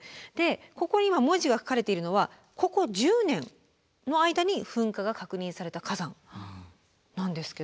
ここに今文字が書かれているのはここ１０年の間に噴火が確認された火山なんですけど。